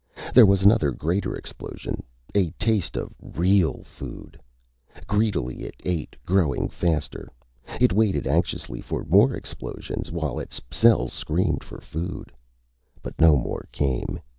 There was another, greater explosion, a taste of real food! Greedily it ate, growing faster. It waited anxiously for more explosions, while its cells screamed for food. But no more came.